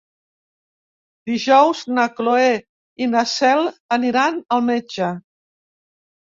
Dijous na Cloè i na Cel aniran al metge.